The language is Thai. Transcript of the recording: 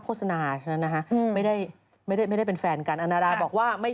ตอนนี้๖โมง๕๐นาที